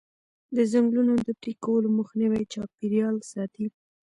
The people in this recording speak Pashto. د ځنګلونو د پرې کولو مخنیوی چاپیریال ساتي.